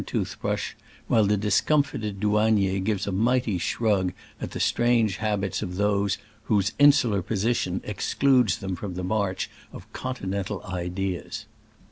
tooth brush, while the discomfited dou anier gives a mighty shrug at the strange habits of those "whose insular position excludes them from the march of con tinental ideas.'